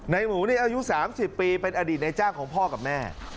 หมูนี่อายุ๓๐ปีเป็นอดีตในจ้างของพ่อกับแม่